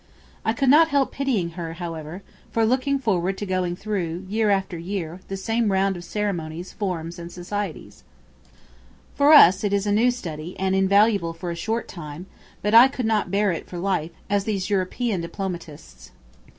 I could not help pitying her, however, for looking forward to going through, year after year, the same round of ceremonies, forms, and society. For us, it is a new study, and invaluable for a short time; but I could not bear it for life, as these European diplomatists.